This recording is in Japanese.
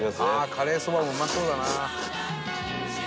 カレーそばもうまそうだな。